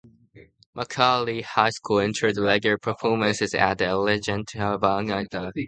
McClatchy High School, entering regular performances at the Elegant Barn Nightclub.